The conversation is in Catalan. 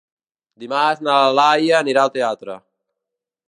Dimarts na Laia anirà al teatre.